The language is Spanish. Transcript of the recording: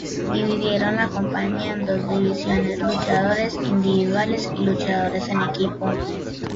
Dividieron la compañía en dos divisiones: luchadores individuales y luchadores en equipo.